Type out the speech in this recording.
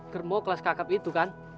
kerbau kelas kakap itu kan